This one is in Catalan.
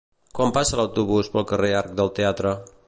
Quan passa l'autobús pel carrer Arc del Teatre?